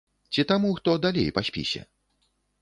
Ці таму, хто далей па спісе?